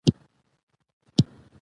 خاما ته د ایالت مشري په میراث پاتې وه.